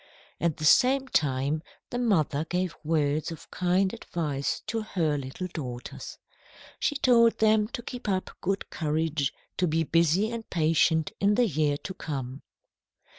At the same time the mother gave words of kind advice to her little daughters. She told them to keep up good courage; to be busy and patient in the year to come.